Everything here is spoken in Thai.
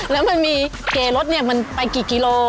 แล้วมันมีเกรถมันไปกี่กิโล